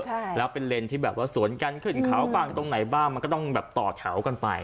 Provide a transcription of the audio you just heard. ใช่แล้วเป็นเลนที่แบบว่าสวนกันขึ้นเขาบ้างตรงไหนบ้างมันก็ต้องแบบต่อแถวกันไป